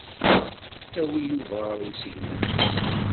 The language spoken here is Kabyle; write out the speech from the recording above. Awi Yuba ɣer usegnaf.